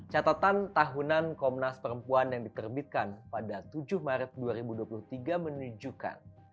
catatan tahunan komnas perempuan yang diterbitkan pada tujuh maret dua ribu dua puluh tiga menunjukkan